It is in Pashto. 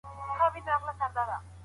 سیاستپوهنه د فکر او عمل یووالی دی.